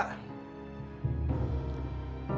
ya kita pasang saja